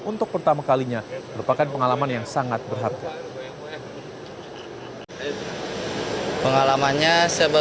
untuk pertama kalinya merupakan pengalaman yang sangat berharga